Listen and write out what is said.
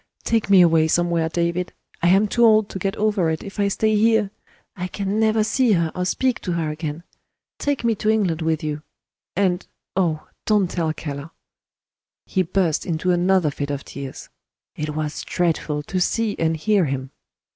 Take me away somewhere, David; I am too old to get over it, if I stay here. I can never see her or speak to her again. Take me to England with you and, oh, don't tell Keller!" He burst into another fit of tears. It was dreadful to see and hear him.